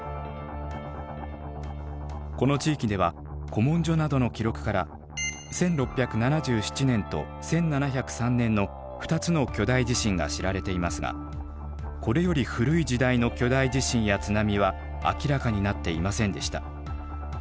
この地域では古文書などの記録から１６７７年と１７０３年の２つの巨大地震が知られていますがこれより古い時代の巨大地震や津波は明らかになっていませんでした。